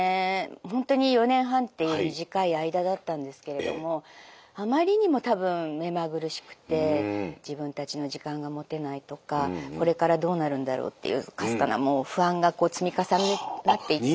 ほんとに４年半っていう短い間だったんですけれどもあまりにも多分目まぐるしくて自分たちの時間が持てないとかこれからどうなるんだろうっていうかすかなもう不安が積み重なっていったんだと。